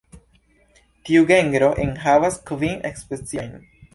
Tiu genro enhavas kvin speciojn.